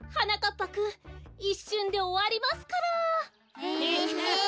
ぱくんいっしゅんでおわりますから。